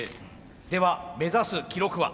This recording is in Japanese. では目指す記録は？